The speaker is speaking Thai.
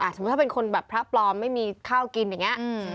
สมมุติถ้าเป็นคนแบบพระปลอมไม่มีข้าวกินอย่างนี้